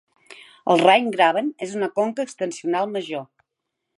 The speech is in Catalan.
El Rhine Graben és una conca extensional major.